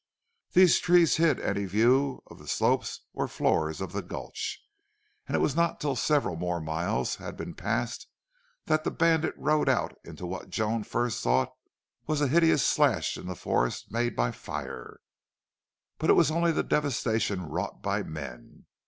These trees hid any view of the slopes or floor of the gulch, and it was not till several more miles had been passed that the bandit rode out into what Joan first thought was a hideous slash in the forest made by fire. But it was only the devastation wrought by men.